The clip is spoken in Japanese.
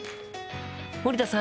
森田さん